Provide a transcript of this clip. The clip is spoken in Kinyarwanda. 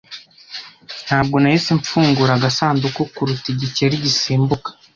Ntabwo nahise mfungura agasanduku kuruta igikeri gisimbuka.